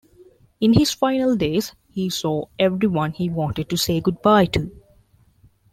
In his final days he saw everyone he wanted to say good-bye to.